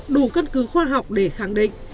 đủ cân cứ khoa học để khẳng định